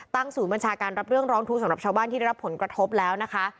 ศูนย์บัญชาการรับเรื่องร้องทุกข์สำหรับชาวบ้านที่ได้รับผลกระทบแล้วนะคะ